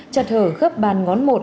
chặt hở khớp bàn ngón một